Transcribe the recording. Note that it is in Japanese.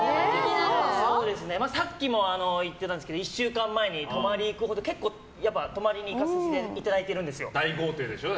さっきも言ってたんですけど１週間前に泊まりに行くほど結構泊まりに行かせていただいているんですよ。